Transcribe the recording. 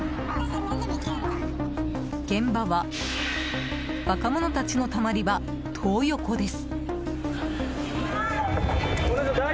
現場は若者たちのたまり場トー横です。